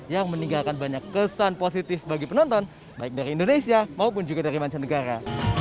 yang meninggalkan banyak kesan positif bagi penonton baik dari indonesia maupun juga dari mancanegara